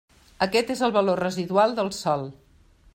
Aquest és el valor residual del sòl.